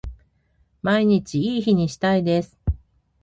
毎日いい日にしたいです